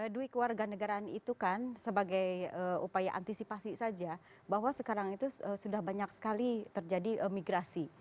duit keluarga negaraan itu kan sebagai upaya antisipasi saja bahwa sekarang itu sudah banyak sekali terjadi migrasi